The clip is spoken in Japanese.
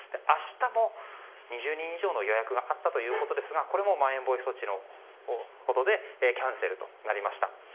明日も２０人以上の予約があったということですがこれもまん延防止措置ということでキャンセルとなりました。